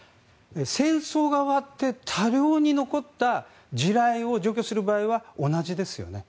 戦争が終わって多量に残った地雷を除去する場合は同じですよね。